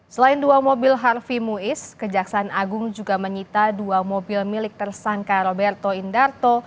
selain dua mobil harfi muiz kejaksaan agung juga menyita dua mobil milik tersangka roberto indarto